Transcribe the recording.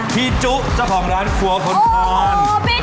พี่จุอะค่ะอยากรู้มากเลย